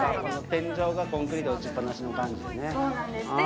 天井がコンクリート打ちっ放しの感じでね。